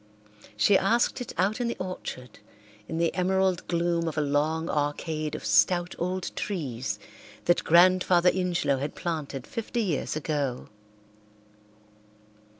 She asked it out in the orchard, in the emerald gloom of a long arcade of stout old trees that Grandfather Ingelow had planted fifty years ago.